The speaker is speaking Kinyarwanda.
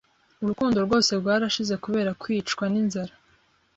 urukundo rwose rwarashize kubera kwicwa n' inzara.